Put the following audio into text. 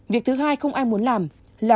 việc thứ hai không ai muốn làm là